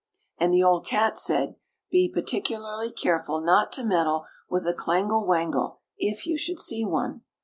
And the old cats said: "Be particularly careful not to meddle with a clangle wangle if you should see one."